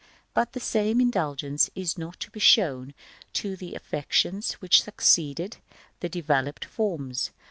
But the same indulgence is not to be shown to the affectations which succeeded the developed forms.